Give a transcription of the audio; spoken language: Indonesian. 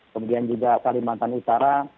kemudian juga kalimantan utara